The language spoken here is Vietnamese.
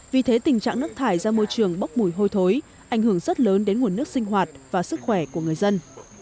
vì thế tình trạng nước thải ra môi trường bốc mùi hôi thối ảnh hưởng rất lớn đến nguồn nước sinh hoạt và sức khỏe của người dân